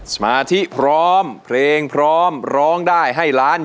สมาธิพร้อมเพลงพร้อมร้องได้ให้ล้าน